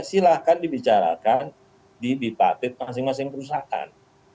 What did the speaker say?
silahkan dibicarakan di dipatit masing masing perusahaan